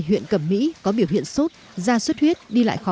huyện cầm mỹ có biểu hiện sốt da xuất huyết đi lại khó khăn bỏ ăn